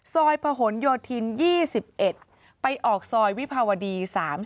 ซอยพย๒๑ไปออกซอยวิภาวดี๓๐